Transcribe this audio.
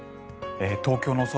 東京の空